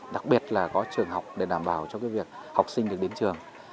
đặc biệt là có trường học để đảm bảo cho việc học sinh được đến trường